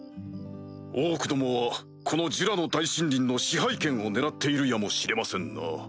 オークどもはこのジュラの大森林の支配権を狙っているやもしれませんな。